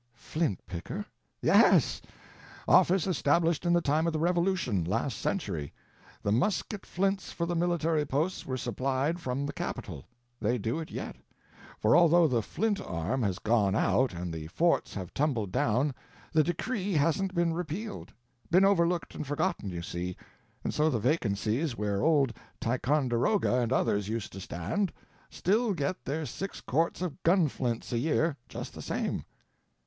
"Flint Picker?" "Yes. Office established in the time of the Revolution, last century. The musket flints for the military posts were supplied from the capitol. They do it yet; for although the flint arm has gone out and the forts have tumbled down, the decree hasn't been repealed—been overlooked and forgotten, you see—and so the vacancies where old Ticonderoga and others used to stand, still get their six quarts of gun flints a year just the same."